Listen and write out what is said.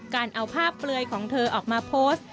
การเอาภาพเปลือยของเธอออกมาโพสต์